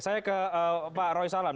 saya ke pak roy salam